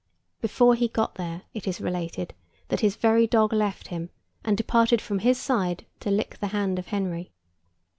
Before he got there, it is related, that his very dog left him and departed from his side to lick the hand of Henry.